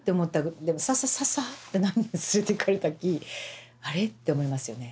でもササササってなんか連れていかれたきあれ？って思いますよね。